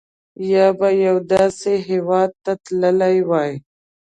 یا به یوه داسې هېواد ته تللي وای.